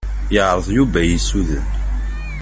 Yeɛṛeḍ Yuba ad iyi-ssuden.